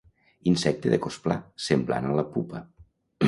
Insecte de cos pla, semblant a la pupa.